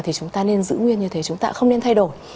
thì chúng ta nên giữ nguyên như thế chúng ta không nên thay đổi